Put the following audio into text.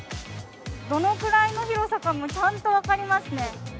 どのくらいの広さかもちゃんと分かりますね。